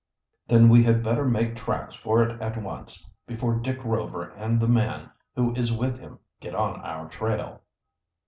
"Then we had better make tracks for it at once before Dick Rover and the man who is with him get on our trail."